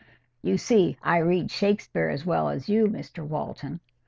(You see I read Shakespeare as well as you, Mr Walton.)